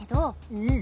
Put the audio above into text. うん。